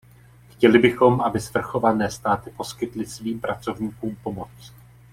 Chtěli bychom, aby svrchované státy poskytly svým pracovníkům pomoc.